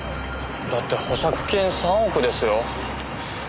だって保釈金３億ですよ。